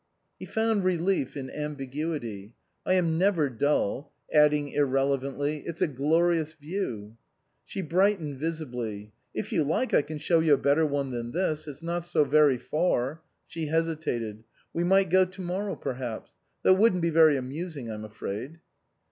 He found relief in ambiguity. " I am never dull "; adding irrelevantly, " it's a glorious view." She brightened visibly. " If you like I can show you a better one than this. It's not so very far ;" she hesitated " we might go to morrow, perhaps ; though it wouldn't be very amusing, I'm afraid."